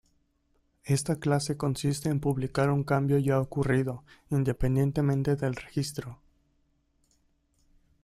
Esta clase consiste en publicar un cambio ya ocurrido, independientemente del registro.